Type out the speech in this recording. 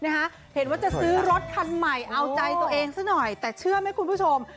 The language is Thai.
เห็นว่าจะซื้อรถคันใหม่เอาใจตัวเองซะหน่อยแต่เชื่อไหมคุณผู้ชม